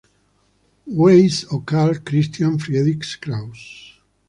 Weiss o Karl Christian Friedrich Krause.